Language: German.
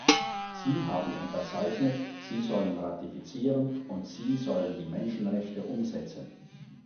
Sie haben unterzeichnet, sie sollen ratifizieren, und sie sollen die Menschenrechte umsetzen.